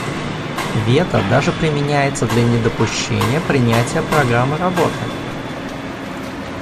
Вето даже применяется для недопущения принятия программы работы.